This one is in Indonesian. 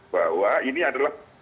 bahwa ini adalah